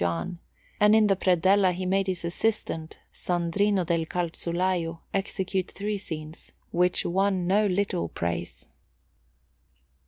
John; and in the predella he made his assistant, Sandrino del Calzolaio, execute three scenes, which won no little praise.